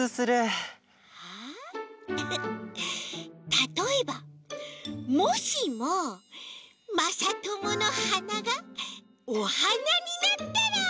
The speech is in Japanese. たとえばもしもまさとものはながおはなになったら。